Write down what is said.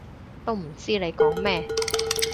都唔知你講乜